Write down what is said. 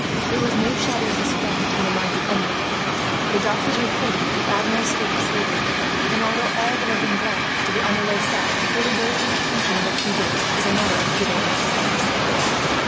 There was no shadow of disquiet in the minds of any of them. The doctors reported that the Admiral's state was favourable; and although all would have been glad to be on their way south, they regarded the detention of a few days as a matter of little importance.